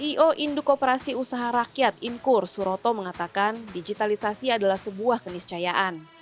ceo indukoperasi usaha rakyat inkur suroto mengatakan digitalisasi adalah sebuah keniscayaan